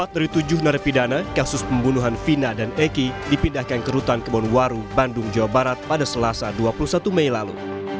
empat dari tujuh narapidana kasus pembunuhan vina dan eki dipindahkan ke rutan kebonwaru bandung jawa barat pada selasa dua puluh satu mei lalu